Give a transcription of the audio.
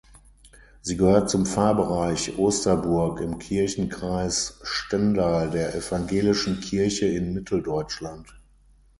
Sie gehört zum Pfarrbereich Osterburg im Kirchenkreis Stendal der Evangelischen Kirche in Mitteldeutschland.